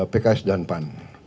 pks dan pan